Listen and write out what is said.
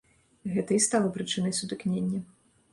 Гэта і стала прычынай сутыкнення.